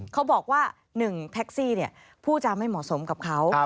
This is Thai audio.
เขาบอกว่า๑แท็กซี่ผู้จาไม่เหมาะสมกับเขา